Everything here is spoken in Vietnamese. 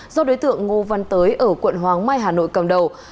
do đối tượng ngô văn tới ở quận hoàng mai hà nội cầm đầu